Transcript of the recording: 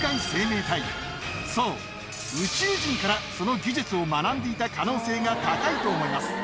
そう宇宙人からその技術を学んでいた可能性が高いと思います。